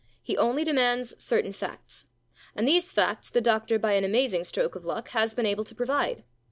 He only demands certain facts. And these facts the doctor by an amazing stroke of luck has been able to provide.